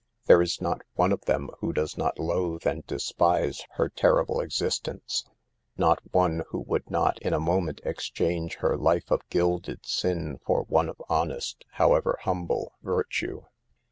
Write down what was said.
There is not one of them who does not loathe and despise her terrible existence; not one who would not in a moment exchange her life of gilded sin for one of honest (however humble) virtue.